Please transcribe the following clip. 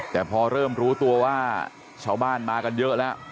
แต่พอเริ่มรู้ตัวว่าชาวบ้านมากันเยอะแล้ว